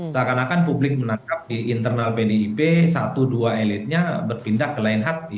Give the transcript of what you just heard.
seakan akan publik menangkap di internal pdip satu dua elitnya berpindah ke lain hati